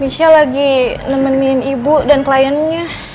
sha lagi nemenin ibu dan kliennya